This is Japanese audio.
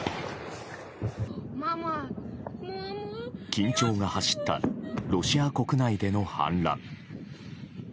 緊張が走ったロシア国内での反乱。